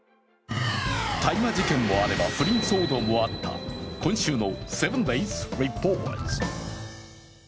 大麻事件もあれば、不倫騒動もあった今週の「７ｄａｙｓリポート」。